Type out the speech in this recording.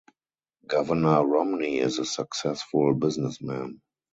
Governor Romney is a successful businessman.